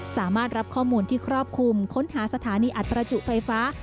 สามารถรับข้อมูลที่ครอบคลุมค้นหาสถานีอัดประจุไฟฟ้า